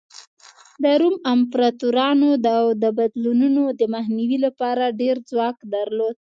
د روم امپراتورانو د بدلونونو د مخنیوي لپاره ډېر ځواک درلود